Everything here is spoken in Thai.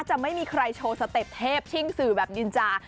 จะไม่มีใครโชว์สเต็ปเทพชิ่งสื่อแบบนินจา